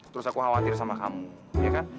terus aku khawatir sama kamu ya kan